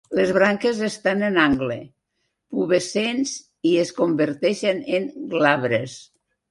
Les branques estan en angle, pubescents i es converteixen en glabres.